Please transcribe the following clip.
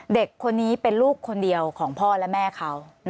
เด็กคนนี้เป็นลูกคนเดียวของพ่อและแม่เขา